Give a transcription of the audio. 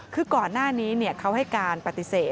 คือก่อนหน้านี้เขาให้การปฏิเสธ